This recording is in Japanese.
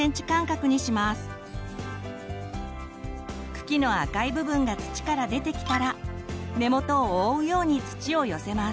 茎の赤い部分が土から出てきたら根元を覆うように土を寄せます。